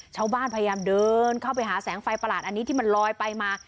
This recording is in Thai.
ชาวบ้านพยายามเดินเข้าไปหาแสงไฟประหลาดอันนี้ที่มันลอยไปมา